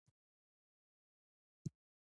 زردالو د افغانانو د معیشت سرچینه ده.